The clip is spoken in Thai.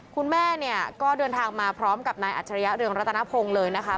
คุณแม่เนี่ยก็เดินทางมาพร้อมกับนายอัจฉริยะเรืองรัตนพงศ์เลยนะคะ